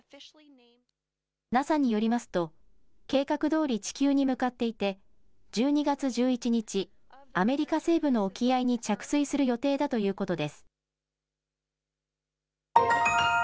ＮＡＳＡによりますと、計画どおり地球に向かっていて、１２月１１日、アメリカ西部の沖合に着水する予定だということです。